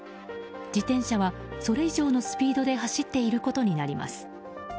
自転車はそれ以上のスピードで走っていることになります。